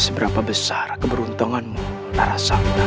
seberapa besar keberuntunganmu rasulullah